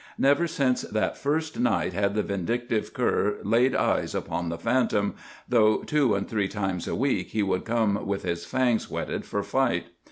Never since that first night had the vindictive cur laid eyes upon the phantom, though two and three times a week he would come with his fangs whetted for fight.